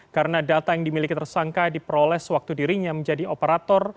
karena data yang dimiliki tersangka diperoles waktu dirinya menjadi operator